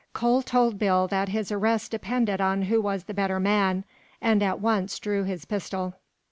Cole told Bill that his arrest depended upon who was the better man, and at once drew his pistol.